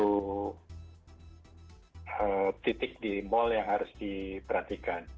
jadi itu adalah titik di mall yang harus diperhatikan